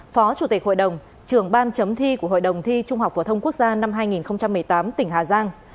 phó chủ tịch hội đồng trưởng ban chấm thi của hội đồng thi trung học phổ thông quốc gia năm hai nghìn một mươi tám tỉnh hà giang